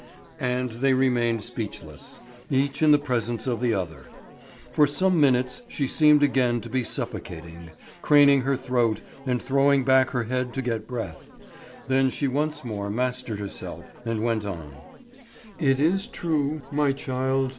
And they remained speechless, each in the presence of the other. For some minutes she seemed again to be suffocating, craning her throat and throwing back her head to get breath; then she once more mastered herself and went on: "It is true, my child.